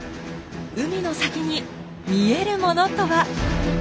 海の先に見えるものとは。